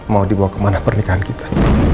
mau dibawa ke mana pernikahan kita